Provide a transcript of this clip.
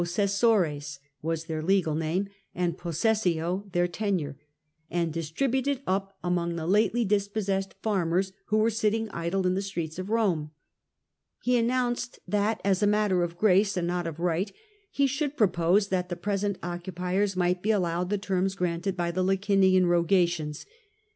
their legal name, and jpossessio theii tenure— and distribute it up among the lately dispossessed farmers who werq sitting idle in the streets of Rome. H^ announced that, as a matter of grace, and not of right, he should propose that the present occupiers might be allowed the terms granted by the Licinian Rogations.